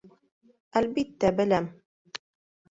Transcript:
— Әлбиттә, беләм.